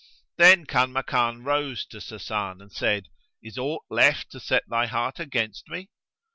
Then Kanmakan rose to Sasan and said, "Is aught left to set thy heart against me?"